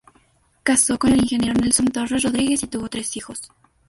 Casó con el ingeniero Nelson Torres Rodríguez y tuvo tres hijos.